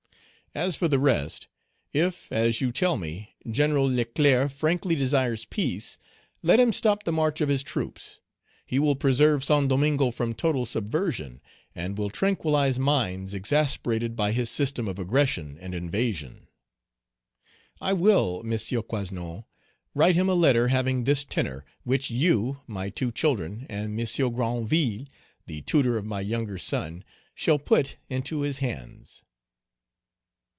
"As for the rest, if, as you tell me, General Leclerc frankly desires peace, let him stop the march of his troops. He will preserve Saint Domingo from total subversion, and will tranquillize minds exasperated by his system of aggression and invasion. Page 177 I will, M. Coasnon, write him a letter having this tenor, which you, my two children, and M. Granville, the tutor of my younger son, shall put into his hands."